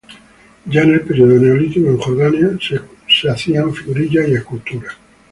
Ya en el período neolítico en Jordania, se hacían figurillas y esculturas.